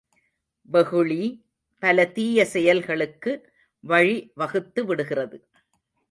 வெகுளி, பல தீய செயல்களுக்கு வழி வகுத்துவிடுகிறது.